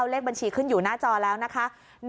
เลขบัญชีขึ้นอยู่หน้าจอแล้วนะคะ